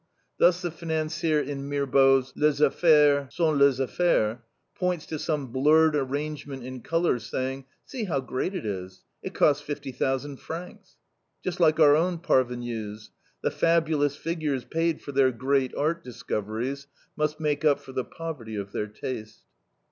Thus the financier in Mirbeau's LES AFFAIRES SONT LES AFFAIRES points to some blurred arrangement in colors, saying "See how great it is; it cost 50,000 francs." Just like our own parvenues. The fabulous figures paid for their great art discoveries must make up for the poverty of their taste.